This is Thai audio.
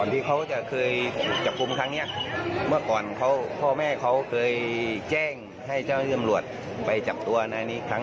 เพราะเขาก็มอบยาอารวาส